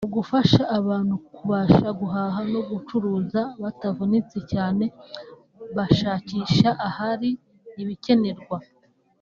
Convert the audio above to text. Mu gufasha abantu kubasha guhaha no gucuruza batavunitse cyane bashakisha ahari ibikenerwa